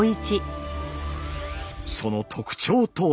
その特徴とは？